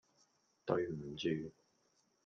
對唔住